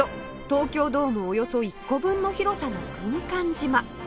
東京ドームおよそ１個分の広さの軍艦島